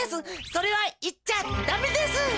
それはいっちゃダメです！